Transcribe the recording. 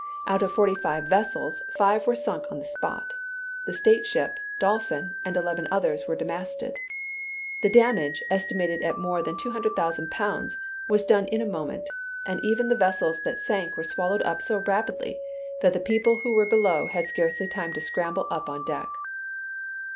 Out of forty five vessels, five were sunk on the spot; the state ship, Dolphin, and eleven others were dismasted. The damage, estimated at more than £200,000, was done in a moment, and even the vessels that sank were swallowed up so rapidly that the people who were below had scarcely time to scramble up on deck.